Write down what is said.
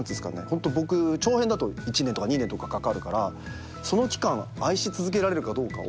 ホント僕長編だと１年とか２年とかかかるからその期間愛し続けられるかどうかを。